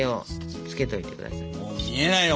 もう見えないよ